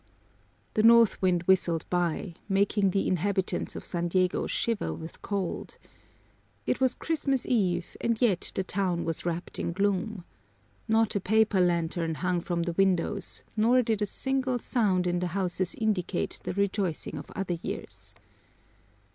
The north wind whistled by, making the inhabitants of San Diego shiver with cold. It was Christmas Eve and yet the town was wrapped in gloom. Not a paper lantern hung from the windows nor did a single sound in the houses indicate the rejoicing of other years.